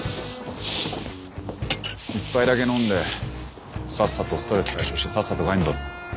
一杯だけ飲んでさっさとストレス解消してさっさと帰んぞ。